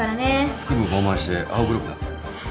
腹部膨満して青黒くなってる。